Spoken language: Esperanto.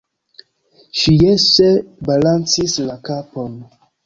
Ŝi jese balancis la kapon.